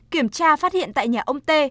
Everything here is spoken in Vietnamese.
kiểm tra phát hiện tại nhà ông t